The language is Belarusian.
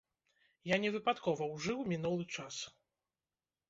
Я невыпадкова ужыў мінулы час.